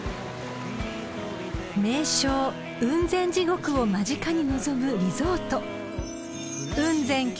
［名勝雲仙地獄を間近に望むリゾート］